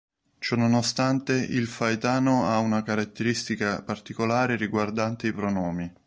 Ciononostante, il faetano ha una caratteristica particolare riguardante i pronomi.